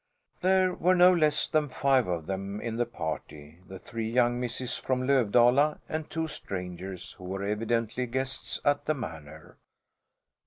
There were no less than five of them in the party, the three young misses from Lövdala and two strangers, who were evidently guests at the Manor.